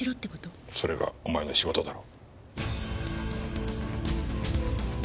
それがお前の仕事だろ。